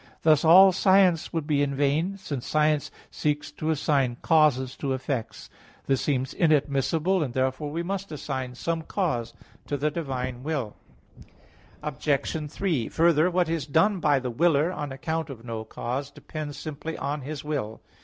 Thus all science would be in vain, since science seeks to assign causes to effects. This seems inadmissible, and therefore we must assign some cause to the divine will. Obj. 3: Further, what is done by the willer, on account of no cause, depends simply on his will.